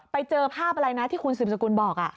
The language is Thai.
ไปเจอภาพอะไรนะที่คุณสืบสกุลบอก